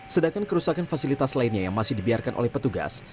sedangkan kerusakan fasilitas lainnya yang masih dibiarkan oleh petugas